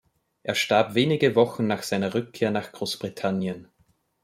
Er starb wenige Wochen nach seiner Rückkehr nach Großbritannien.